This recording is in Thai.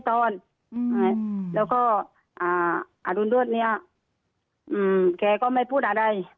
ตอนอืมแล้วก็อ่าอรุณโรธเนี้ยอืมแกก็ไม่พูดอะไร